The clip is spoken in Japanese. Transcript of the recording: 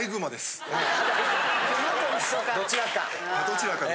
どちらか。